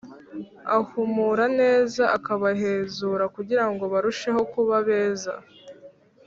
ahumura neza akabahezura kugira ngo barusheho kuba beza